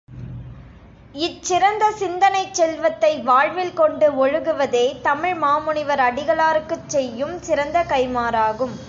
இச்சிறந்த சிந்தனைச் செல்வத்தை வாழ்வில் கொண்டு ஒழுகுவதே தமிழ் மாமுனிவர் அடிகளாருக்குச் செய்யும் சிறந்த கைம்மாறாகும்.